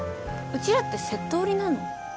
うちらってセット売りなの？